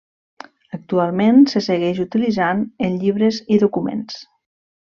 Actualment se segueix utilitzant en llibres i documents.